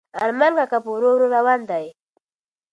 ارمان کاکا په ورو ورو روان دی.